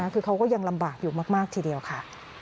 คือเขาก็ยังลำบากอยู่มากทีเดียวค่ะ